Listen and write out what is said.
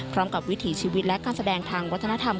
วิถีชีวิตและการแสดงทางวัฒนธรรม